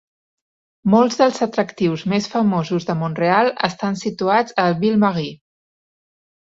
Molts dels atractius més famosos de Montreal estan situats a Ville-Marie.